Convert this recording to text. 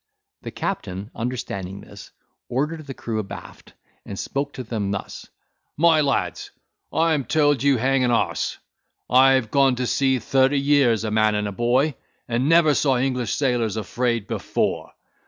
The captain, understanding this, ordered the crew abaft, and spoke to them thus: "My lads, I am told you hang an a—se. I have gone to sea thirty years, a man and a boy, and never saw English sailors afraid before.